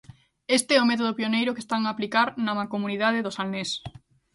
Este é o método pioneiro que están a aplicar na mancomunidade do Salnés.